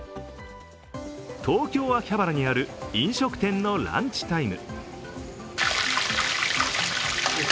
東京・秋葉原にある飲食店のランチタイム。